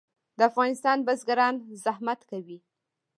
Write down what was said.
د افغانستان بزګران زحمت کوي